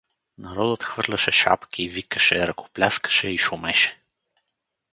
Народът хвърляше шапки, викаше, ръкопляскаше и шумеше.